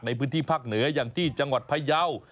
ในพื้นที่ภาคเหนืออย่างที่จังหวัดพยาว